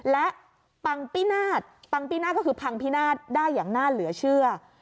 และปังปีนาศปังปีนาศก็คือพังพินาศได้อย่างน่าเหลือเชื่อ